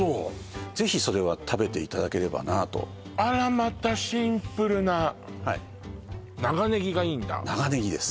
ぜひそれは食べていただければなあとあらまたシンプルなはい長ネギがいいんだ長ネギです